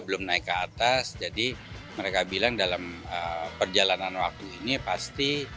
belum naik ke atas jadi mereka bilang dalam perjalanan waktu ini pasti